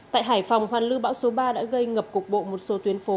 tại hải phòng hoàn lưu bão số ba đã gây ngập cục bộ một số tuyến phố